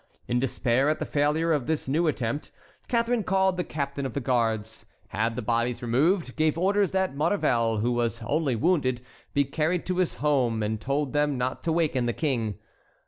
In despair at the failure of this new attempt, Catharine called the captain of the guards, had the bodies removed, gave orders that Maurevel, who was only wounded, be carried to his home, and told them not to waken the King.